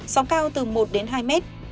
sóng cao từ một đến hai mét